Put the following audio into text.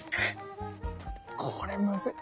ちょっとこれムズい。